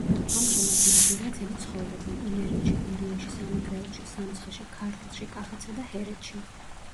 ამჟამად ნადირაძენი ცხოვრობენ: იმერეთში, გურიაში, სამეგრელოში, სამცხეში, ქართლში, კახეთსა და ჰერეთში.